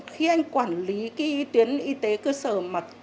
khi anh quản lý cái tuyến y tế cơ sở mà